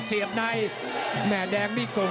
เสียบในแม่แดงนี่กลม